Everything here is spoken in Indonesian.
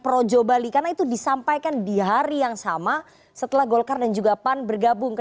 projo bali karena itu disampaikan di hari yang sama setelah golkar dan juga pan bergabung ke